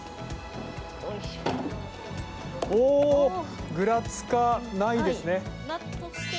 おお！ぐらつかないですね。